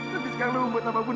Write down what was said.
tapi sekarang lo membuat apa pun